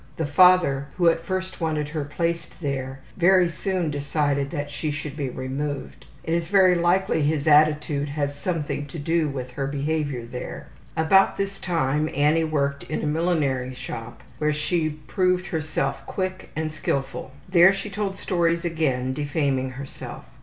The father, who at first wanted her placed there, very soon decided that she should be removed. It is very likely his attitude had something to do with her behavior there. About this time Annie worked in a millinery shop where she proved herself quick and skilful. There she told stories again defaming herself.